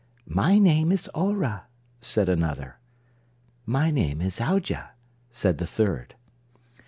"My name is Aurah," said another. "My name is Aujah," said the third.